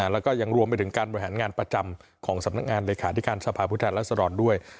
แล้วก็ยังรวมไปถึงการบริหารงานประจำของสำนักงานเลขาธิการสภาพผู้แทนรัศดรด้วย